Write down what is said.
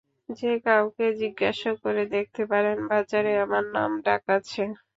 যে কাউকে জিজ্ঞাসা করে দেখতে পারেন, বাজারে আমার নাম ডাক আছে।